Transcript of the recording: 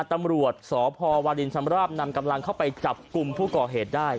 ตำรวจสพวาลินชำราบนำกำลังเข้าไปจับกลุ่มผู้ก่อเหตุได้